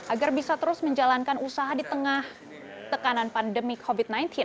agar bisa terus menjalankan usaha di tengah tekanan pandemi covid sembilan belas